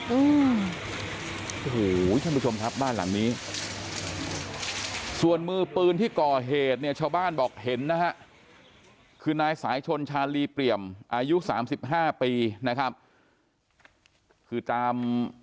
โอ้โหท่านผู้ชมครับบ้านหลังนี้ส่วนมือปืนที่ก่อเหตุเนี่ยชาวบ้านบอกเห็นนะฮะคือนายสายชนชาลีเปรียมอายุสามสิบห้าปีนะครับคือตาม